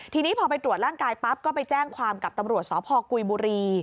ทีนี้พอไปตรวจร่างกายปั๊บก็ไปแจ้งความกับตำรวจสพกุยบุรี